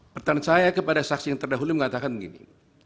pertanyaan saya kepada saksi yang terdahulu mengatakan begini